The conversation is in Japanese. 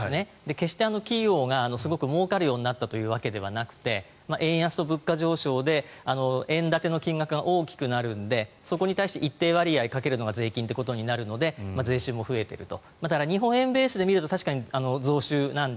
決して企業がすごくもうかるようになったというわけではなく円安と物価上昇で円建ての金額が大きくなるのでそこに対して一定割合かけるのが税金ということになるので税収も増えていると。